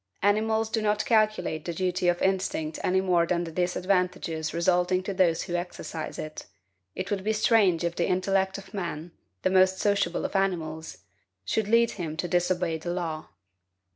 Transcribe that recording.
Animals do not calculate the duty of instinct any more than the disadvantages resulting to those who exercise it; it would be strange if the intellect of man the most sociable of animals should lead him to disobey the law.